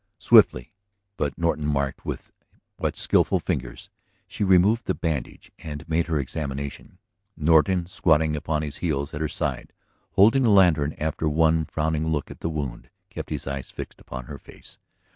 Swiftly, but Norton marked with what skilful fingers, she removed the bandage and made her examination. Norton, squatting upon his heels at her side, holding the lantern, after one frowning look at the wound, kept his eyes fixed upon her face.